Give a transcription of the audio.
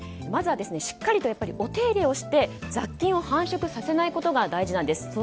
まずはしっかりとお手入れをして雑菌を繁殖させないことが大事なんです。